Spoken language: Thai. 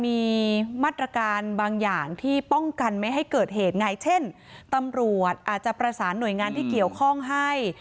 มีมาตรการบางอย่างที่ป้องกันไม่ให้เกิดเหตุไงเช่นตำรวจอาจจะประสานหน่วยงานที่เกี่ยวข้องให้